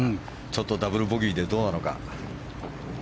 ちょっとダブルボギーでどうなのか。